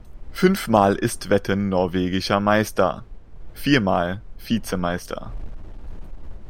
Fünfmal ist Wetten norwegischer Meister, viermal Vizemeister.